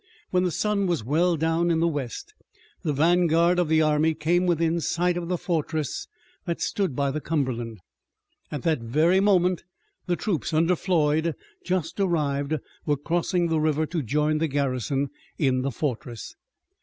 When the sun was well down in the west, the vanguard of the army came within sight of the fortress that stood by the Cumberland. At that very moment the troops under Floyd, just arrived, were crossing the river to join the garrison in the fortress.